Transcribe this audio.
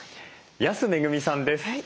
安めぐみさんです。